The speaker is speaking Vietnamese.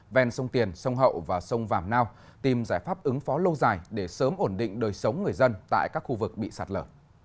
ven sông tiền sông hậu và sông vàm nao tìm giải pháp ứng phó lâu dài để sớm ổn định đời sống người dân tại các khu vực bị sạt lở